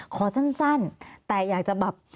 ขอสั้นแต่อยากจะแบบ